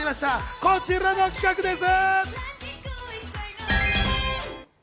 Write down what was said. こちらの企画です。